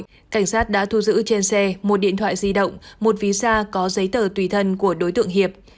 cảnh sát đã thu giữ trên xe một điện thoại di động một ví da có giấy tờ tùy thân của đối tượng hiệp